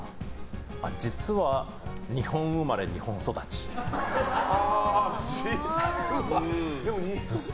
実は日本生まれ日本育ちとか。